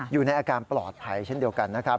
อยู่ในอาการปลอดภัยเช่นเดียวกันนะครับ